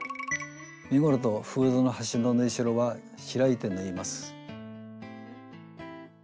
身ごろとフードの端の縫いしろは開いて縫います。